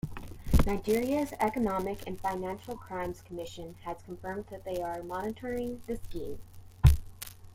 Nigeria's Economic and Financial Crimes Commission has confirmed that they are monitoring the scheme.